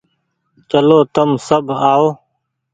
چلو تم سب آئو۔